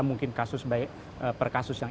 mungkin kasus baik per kasus yang